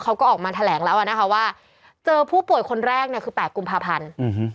เขาก็ออกมาแถลงแล้วอ่ะนะคะว่าเจอผู้ป่วยคนแรกเนี่ยคือแปดกุมภาพันธ์